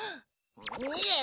いえ！